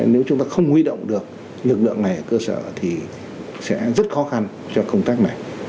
nếu chúng ta không huy động được lực lượng này ở cơ sở thì sẽ rất khó khăn cho công tác này